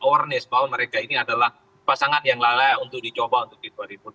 awareness bahwa mereka ini adalah pasangan yang layak untuk dicoba untuk di dua ribu dua puluh